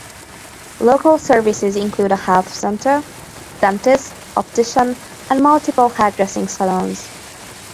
Local services include a health centre, dentist, optician and multiple hairdressing salons.